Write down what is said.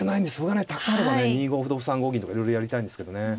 たくさんあればね２五歩同歩３五銀とかいろいろやりたいんですけどね。